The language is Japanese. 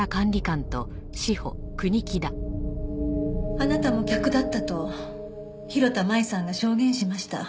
あなたも客だったと広田舞さんが証言しました。